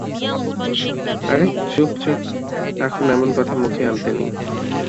আরে চুপ চুপ, এখন এমন কথা মুখে আনতে নেই।